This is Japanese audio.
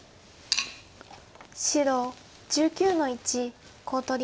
白１９の一コウ取り。